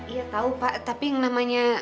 iya tahu pak tapi yang namanya